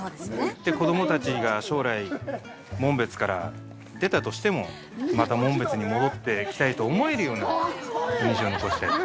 子供たちが将来紋別から出たとしてもまた紋別に戻ってきたいと思えるような印象を残したいと。